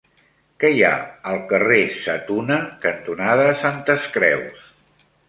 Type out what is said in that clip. Què hi ha al carrer Sa Tuna cantonada Santes Creus?